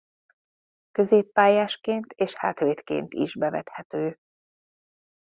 Középpályásként és hátvédként is bevethető.